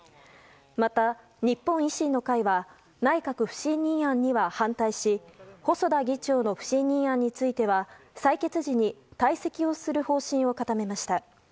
また、日本維新の会は内閣不信任案には反対し細田議長の不信任案については採決時に退席をする方針を固めました。